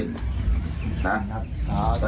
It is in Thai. สาธุ